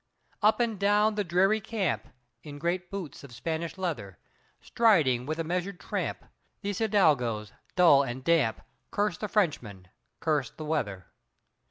Up and down the dreary camp, In great boots of Spanish leather, Striding with a measured tramp, These Hidalgos, dull and damp, Cursed the Frenchmen, cursed the weather.